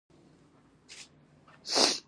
خلک مړه وو او مرغانو خوړل.